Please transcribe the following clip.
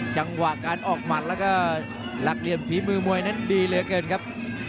จังหวะการออกหมัดแล้วก็หลักเหลี่ยมฝีมือมวยนั้นดีเหลือเกินครับ